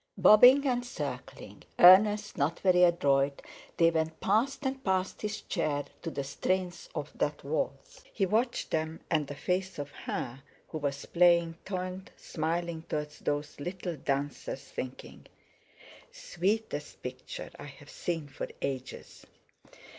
Bobbing and circling, earnest, not very adroit, they went past and past his chair to the strains of that waltz. He watched them and the face of her who was playing turned smiling towards those little dancers thinking: "Sweetest picture I've seen for ages."